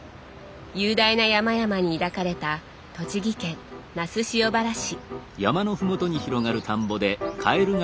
雄大な山々に抱かれた栃木県那須塩原市。